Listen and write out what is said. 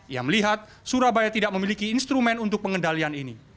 ia melihat surabaya tidak memiliki instrumen untuk pengendalian ini